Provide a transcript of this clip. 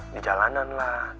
di jalanan lah